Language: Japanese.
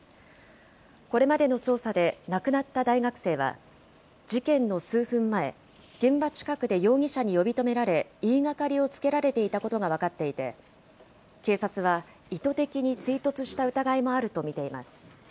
これまでの捜査で、亡くなった大学生は、事件の数分前、現場近くで容疑者に呼び止められ、言いがかりをつけられていたことが分かっていて、警察は意図的に追突した疑いもあると見ています。